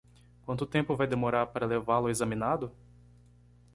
Quanto tempo vai demorar para levá-lo examinado?